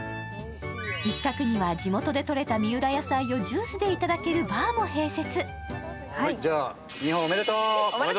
一角には、地元でとれた三浦野菜をジュースでいただけるバーも併設。